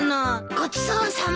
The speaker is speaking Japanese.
ごちそうさま。